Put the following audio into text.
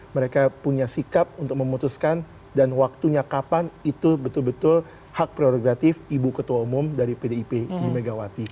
mereka punya sikap untuk memutuskan dan waktunya kapan itu betul betul hak prerogatif ibu ketua umum dari pdip ibu megawati